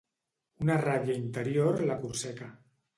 Una ràbia interior la corseca.